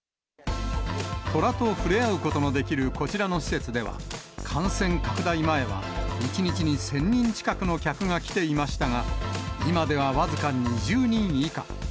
虎と触れ合うことのできるこちらの施設では、感染拡大前は、１日に１０００人近くの客が来ていましたが、今では僅か２０人以下。